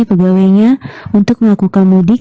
pegawainya untuk melakukan mudik